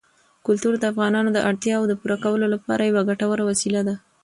کلتور د افغانانو د اړتیاوو د پوره کولو لپاره یوه ګټوره وسیله ده.